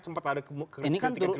sempat ada kritikan kritikan itu